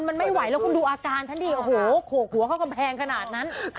มันไม่ไหวแล้วคุณดูอาการฉันดิโอ้โหโขกหัวเข้ากำแพงขนาดนั้น